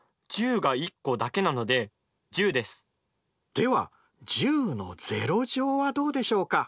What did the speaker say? では１０はどうでしょうか？